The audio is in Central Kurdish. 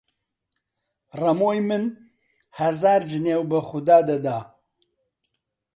ڕەمۆی من هەزار جنێو بە خودا دەدا!